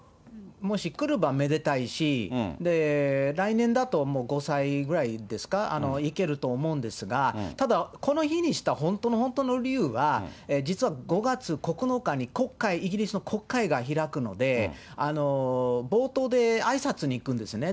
もし来ればめでたいし、来年だともう５歳ぐらいですか、行けると思うんですが、ただ、この日にした本当の本当の理由は、実は５月９日に国会、イギリスの国会が開くので、冒頭であいさつに行くんですね。